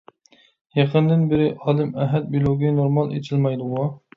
يېقىندىن بېرى ئالىم ئەھەت بىلوگى نورمال ئېچىلمايدىغۇ؟